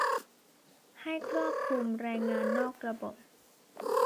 ให้ครอบคลุมแรงงานนอกระบบ